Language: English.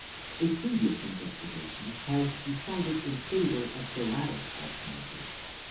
A previous investigation has decided in favour of the latter alternative.'